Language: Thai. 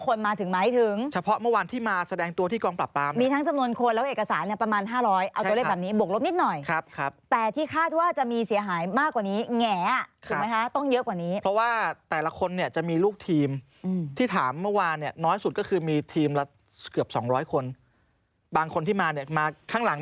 คือมาเซ็นเอกสารปุ๊บมันคนเข้าออกเดินออกไปจากตรงนั้น